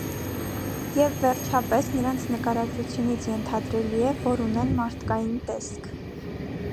Եվ վերջապես, նրանց նկարագրությունից ենթադրելի է, որ ունեն մարդկային տեսք։